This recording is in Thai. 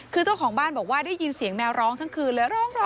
คือเจ้าของบ้านบอกว่าได้ยินเสียงแมวร้องทั้งคืนเลย